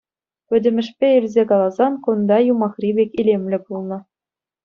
Пӗтӗмӗшпе илсе каласан, кунта юмахри пек илемлӗ пулнӑ.